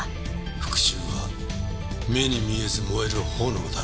復讐は目に見えず燃える炎だ。